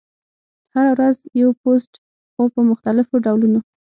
هره ورځ یو پوسټ، خو په مختلفو ډولونو: